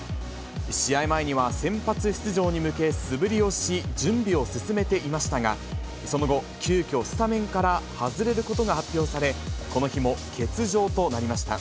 試合前には先発出場に向け、素振りをし、準備を進めていましたが、その後、急きょ、スタメンから外れることが発表され、この日も欠場となりました。